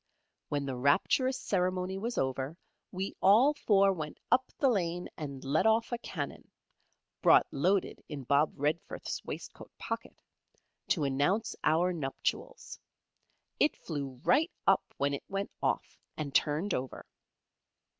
When the rapturous ceremony was over, we all four went up the lane and let off a cannon (brought loaded in Bob Redforth's waistcoat pocket) to announce our nuptials. It flew right up when it went off, and turned over.